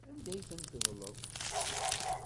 Anda ay tent-tedleḍ?